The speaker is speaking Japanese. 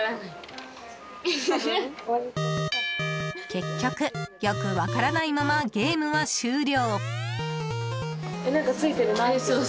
結局よく分からないままゲームは終了。